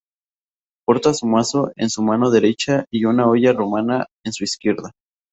Porta su mazo en su mano derecha y una "olla" romana en su izquierda.